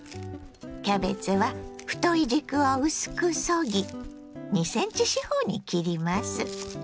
キャベツは太い軸を薄くそぎ２ｃｍ四方に切ります。